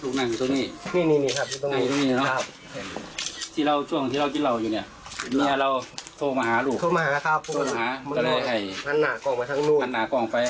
ครับนั่นเลยชะเงินไปเบิ่งให้เห็นเห็นก็เลยเอิดลูกม้าไปนั่งในมุมขุ่นครับ